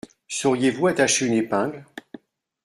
Sauriez-vous attacher une épingle ?